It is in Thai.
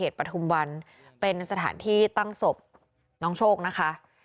เขตปะทุมวันคนชเป็นสถานที่ตั้งศพน้องโชค